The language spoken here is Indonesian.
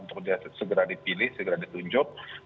untuk dia segera dipilih segera ditunjuk